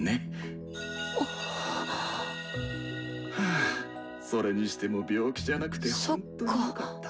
はぁそれにしても病気じゃなくてほんとによかった。